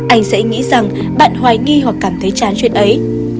anh sẽ nghĩ rằng bạn hoài nghi hoặc cảm thấy trán chuyện ấy